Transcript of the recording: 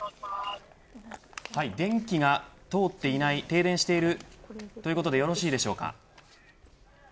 電気が通っていない停電してるということでよろしいでしょうか。